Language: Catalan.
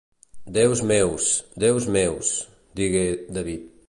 Déus meus, déus meus, digué David.